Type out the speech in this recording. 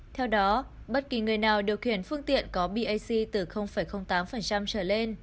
theo đó bất kỳ người nào điều khiển phương tiện có bac từ tám trở lên